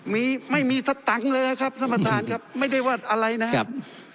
มีไม่มีสตังค์เลยนะครับท่านประธานครับไม่ได้ว่าอะไรนะครับ